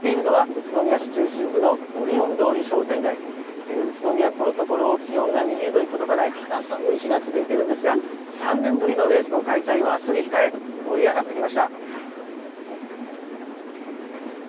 宇都宮、このところ気温が２０度に届かない肌寒い日が続いてるんですが、３年ぶりのレースの開催をあすに控え、盛り上がってきました。